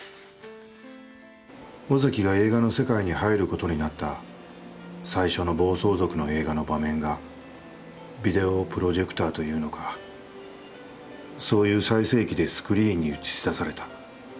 尾崎が映画の世界に入ることになった最初の暴走族の映画の場面がビデオプロジェクターというのかそういう再生機でスクリーンに映し出された。